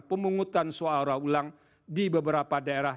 pemungutan suara ulang di beberapa daerah